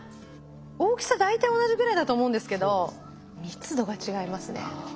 大きさ大体同じぐらいだと思うんですけど密度が違いますね。